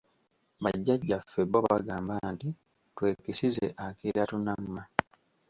Bajjajjaffe bo bagamba nti, "twekisize akira tunamma".